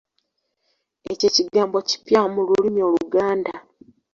Ekyo ekigambo kipya mu lulimi Oluganda.